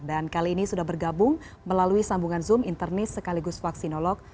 dan kali ini sudah bergabung melalui sambungan zoom internis sekaligus vaksinolog